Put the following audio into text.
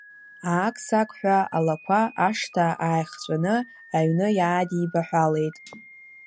Аақ-саақ ҳәа алақәа, ашҭа ааихҵәаны, аҩны иаадибаҳәалеит.